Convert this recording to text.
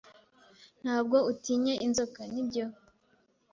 Ntabwo utinya inzoka, nibyo?